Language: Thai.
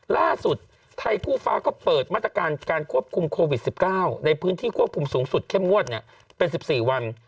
ล่าสุดไทยคู่ฟ้าก็เปิดมาตรการการควบคุมโควิด๑๙ในพื้นที่ควบคุมสูงสุดเข้มงวดเป็น๑๔วัน